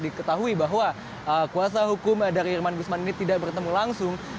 diketahui bahwa kuasa hukum dari irman gusman ini tidak bertemu langsung